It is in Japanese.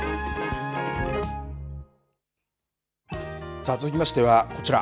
さあ、続きましてはこちら。